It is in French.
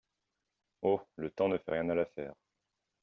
Oh! Le temps ne fait rien à l’affaire...